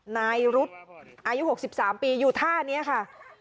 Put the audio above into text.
นายรุธอายุหกสิบสามปีอยู่ท่านี้ค่ะ